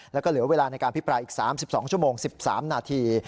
แล้วก็เหลือเวลาในการพิปรายอีก๓๒ชั่วโมง๑๓นาที